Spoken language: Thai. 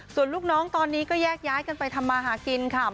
ส่วนลูกน้องตอนนี้ก็แยกย้ายกันไปทำมาหากินค่ะ